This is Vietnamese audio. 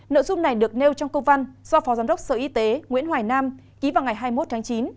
nội dung này được nêu trong câu văn do phó giám đốc sở y tế nguyễn hoài nam ký vào ngày hai mươi một tháng chín